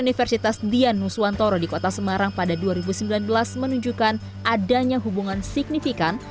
universitas dianuswantoro di kota semarang pada dua ribu sembilan belas menunjukkan adanya hubungan signifikan